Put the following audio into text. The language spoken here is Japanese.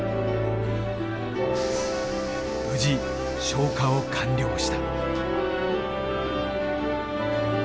無事消火を完了した。